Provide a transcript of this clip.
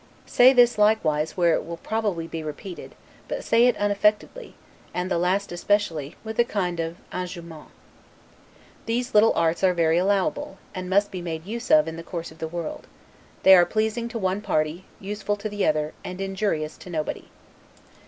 Say this, likewise, where it will probably be repeated; but say it unaffectedly, and, the last especially, with a kind of 'enjouement'. These little arts are very allowable, and must be made use of in the course of the world; they are pleasing to one party, useful to the other, and injurious to nobody.